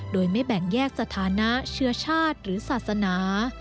โดยไม่แบ่งแยกสถานะเชื้อชาติหรือศาสนา